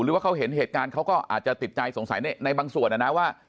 หรือว่าเขาเห็นเหตุการณ์เขาก็อาจจะติดใจสงสัยในบางส่วนนะนะว่า